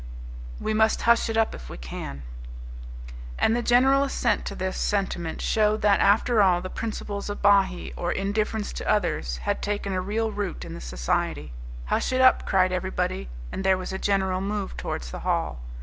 We must hush it up if we can." And the general assent to this sentiment showed that, after all, the principles of Bahee, or Indifference to Others, had taken a real root in the society. "Hush it up," cried everybody, and there was a general move towards the hall.